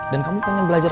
dan kamu pengen belajar